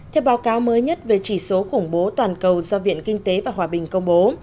theo báo cáo mới nhất về chỉ số khủng bố toàn cầu do viện kinh tế và hòa bình công bố